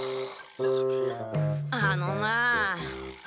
あのなあ。